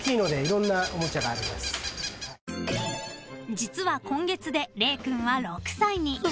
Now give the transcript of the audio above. ［実は今月でれい君は６歳に］